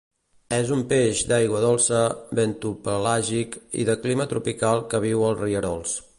És un peix d'aigua dolça, bentopelàgic i de clima tropical que viu als rierols.